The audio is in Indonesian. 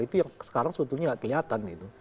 itu yang sekarang sebetulnya tidak kelihatan